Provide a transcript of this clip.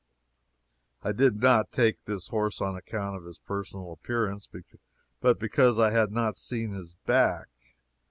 I did not take this horse on account of his personal appearance, but because I have not seen his back.